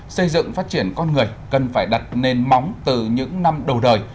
xây dựng phát triển con người cần phải đặt nền móng từ những năm đầu đời